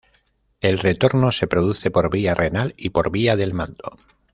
El retorno se produce por vía renal y por vía del manto.